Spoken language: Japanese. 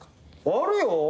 あるよ。